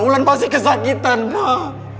wulan pasti kesakitan pak